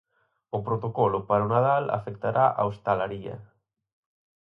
O protocolo para o Nadal afectará á hostalería.